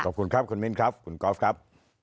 ขอบคุณครับคุณมิ้นครับคุณกอล์ฟครับ